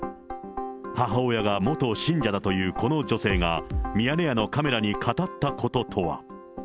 母親が元信者だというこの女性が、ミヤネ屋のカメラに語ったこととは。